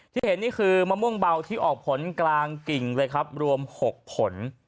เห็นนี่คือมะม่วงเบาที่ออกผลกลางกิ่งเลยครับรวม๖ผล